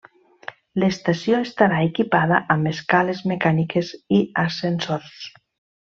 L'estació estarà equipada amb escales mecàniques i ascensors.